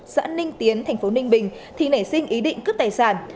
xã ninh tiến thành phố ninh bình thì nảy sinh ý định cướp tài sản